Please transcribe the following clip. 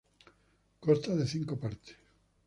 Consta de cinco partes.